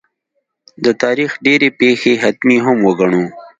د تاریخ ډېرې پېښې حتمي هم وګڼو.